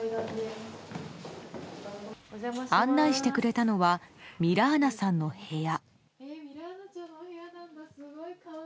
案内してくれたのはミラーナさんの部屋。